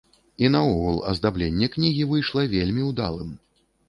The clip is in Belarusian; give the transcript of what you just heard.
І наогул аздабленне кнігі выйшла вельмі ўдалым.